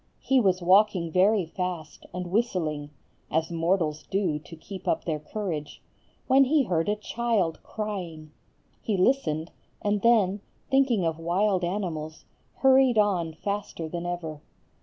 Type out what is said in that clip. He was walking very fast, and whistling (as mortals do to keep up their courage), when he heard a child crying; he listened, and then, thinking of wild animals, hurried on faster than ever.